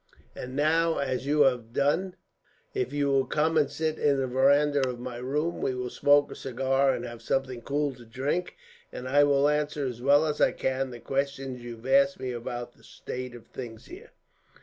"And now, as you have done, if you will come and sit in the veranda of my room, we will smoke a cigar and have something cool to drink; and I will answer, as well as I can, the questions you've asked me about the state of things here."